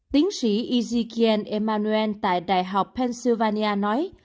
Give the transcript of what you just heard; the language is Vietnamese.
tiến sĩ ezekiel emanuel tại đại học pennsylvania nói